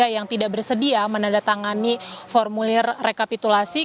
yang tidak bersedia menandatangani formulir rekapitulasi